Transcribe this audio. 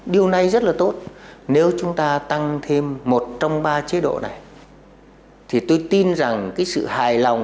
nếu những đề xuất trên được áp dụng có thể trở thành điểm nhấn tăng tính hấp dẫn